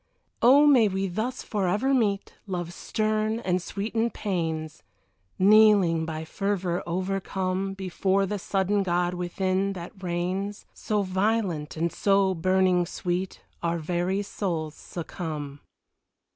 Oh, may we thus forever meet Love's stern, ensweetened pains, Kneeling, by fervour overcome, Before the sudden god within that reigns, So violent and so burning sweet, Our very souls succumb.